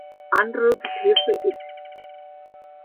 Andere Begriffe lt.